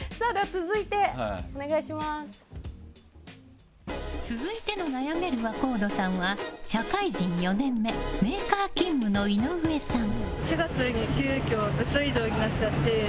続いての悩める若人さんは社会人４年目メーカー勤務の井上さん。